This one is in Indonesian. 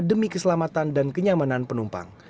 demi keselamatan dan kenyamanan penumpang